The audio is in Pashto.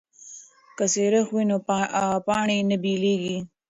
که سریښ وي نو پاڼې نه بېلیږي.